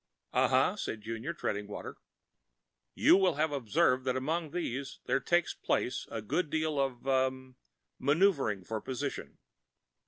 "Uh huh," said Junior, treading water. "You will have observed that among these there takes place a good deal of ... ah ... maneuvering for position.